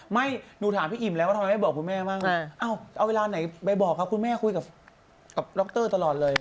ไม่หนูถามพี่อิ่มแล้วว่าทำไมไม่บอกคุณแม่บ้างเอาเวลาไหนไปบอกครับคุณแม่คุยกับดรตลอดเลย